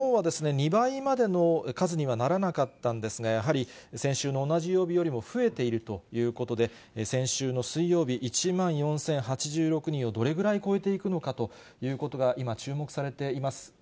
きのうは２倍までの数にはならなかったんですが、やはり、先週の同じ曜日よりも増えているということで、先週の水曜日、１万４０８６人をどれぐらい超えていくのかということが今、注目されています。